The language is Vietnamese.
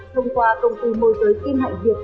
thông qua công ty môi tưới kim hạnh việt